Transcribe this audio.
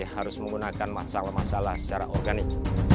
harus menggunakan masalah masalah secara organik